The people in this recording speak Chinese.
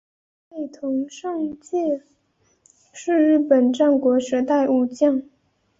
内藤胜介是日本战国时代武将。